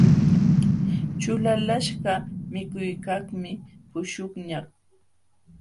Ćhulalaqśhqa mikuykaqmi puśhuqñaq.